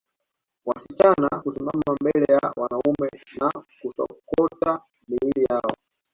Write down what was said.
Wasichana husimama mbele ya wanaume na kusokota miili yao